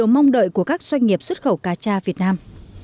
mong đợi của các doanh nghiệp xuất khẩu cà cha việt nam